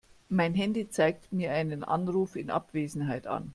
Mein Handy zeigt mir einen Anruf in Abwesenheit an.